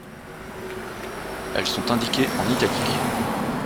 Elles sont indiquées en italique.